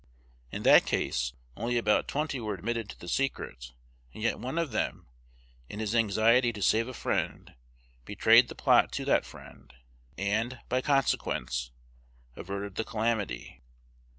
In that case, only about twenty were admitted to the secret; and yet one of them, in his anxiety to save a friend, betrayed the plot to that friend, and, by consequence, averted the calamity.